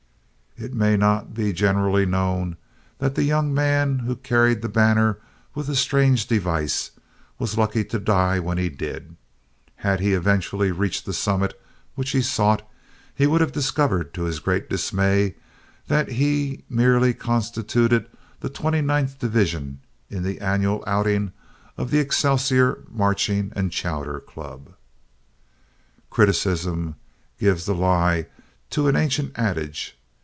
It may not be generally known that the young man who carried the banner with the strange device was lucky to die when he did. Had he eventually reached the summit which he sought he would have discovered to his great dismay that he merely constituted the 29th division in the annual outing of the Excelsior Marching and Chowder Club. Criticism gives the lie to an ancient adage.